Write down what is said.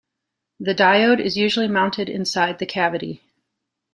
The diode is usually mounted inside the cavity.